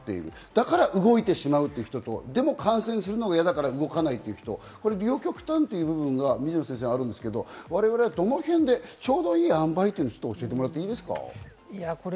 だから動いてしまうという人と、でも感染するのが嫌だから動かない人、両極端という部分が水野先生、ありますが、我々のちょうどいい塩梅を教えてもらっていいですか？